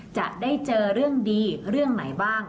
จะได้เจอเรื่องดีเรื่องไหนบ้าง